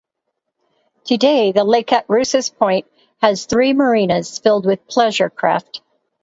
Today, the lake at Rouses Point has three marinas filled with pleasure craft.